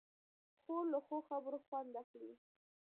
خور له ښو خبرو خوند اخلي.